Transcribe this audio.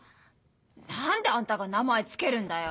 何であんたが名前付けるんだよ。